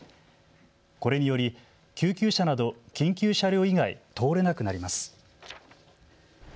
これにより救急車など緊急車両以外、通れなくなります。